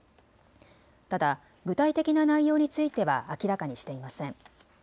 ただ具体的な内容については明らかにしていません。